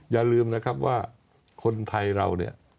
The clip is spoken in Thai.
อย่าลืมนะครับว่าคนไทยเรา